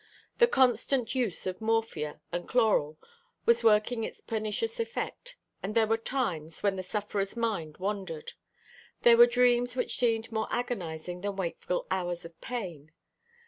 The constant use of morphia and chloral was working its pernicious effect, and there were times, when the sufferer's mind wandered. There were dreams which seemed more agonising than wakeful hours of pain.